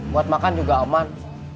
buat makan juga aman